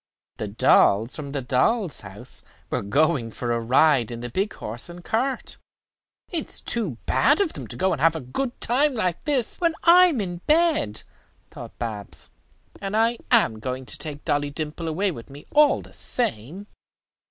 The dolls from the dolls' house were going for a ride in the big horse and cart. "It is too bad of them to go and have a good time like this when I am in bed," thought Babs, "and I am going to take Dolly Dimple away with me all the same."